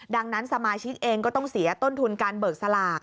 ดังนั้นสมาชิกเองก็ต้องเสียต้นทุนการเบิกสลาก